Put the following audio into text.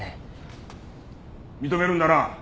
認めるんだな。